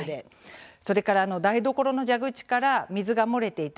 それから台所の蛇口から水が漏れていた。